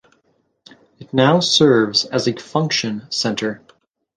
It now serves as a function centre.